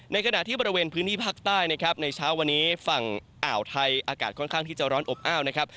ขณะที่บริเวณพื้นที่ภาคใต้นะครับในเช้าวันนี้ฝั่งอ่าวไทยอากาศค่อนข้างที่จะร้อนอบอ้าวนะครับ